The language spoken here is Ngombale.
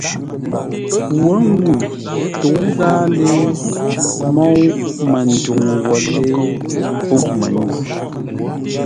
Wǒ ŋuu tə́u ghâa lée môu Manduŋ wə̂ lée pûʼ mənyuŋ.